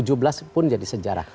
tujuh belas pun jadi sejarah